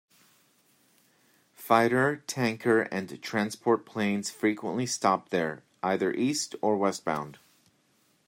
Fighter, tanker and transport planes frequently stopped there, either east or westbound.